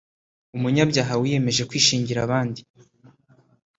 umunyabyaha wiyemeje kwishingira abandi